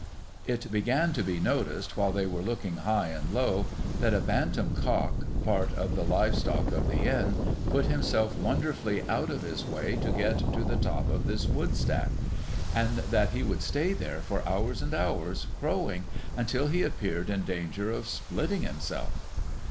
It began to be noticed, while they were looking high and low, that a Bantam cock, part of the live stock of the Inn, put him self wonderfully out of his way to get to the top of this wood stack ; and that he would stay there for hours and hours, crowing, until he appeared in danger of splitting himself.